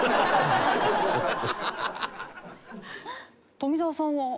富澤さんは。